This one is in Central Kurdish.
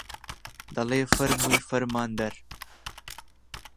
دەڵێ فەرمووی فەرماندەر